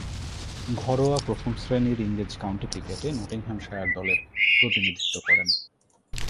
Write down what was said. ঘরোয়া প্রথম-শ্রেণীর ইংরেজ কাউন্টি ক্রিকেটে নটিংহ্যামশায়ার দলের প্রতিনিধিত্ব করেন।